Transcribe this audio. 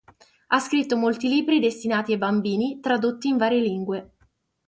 Ha scritto molti libri destinati ai bambini tradotti in varie lingue.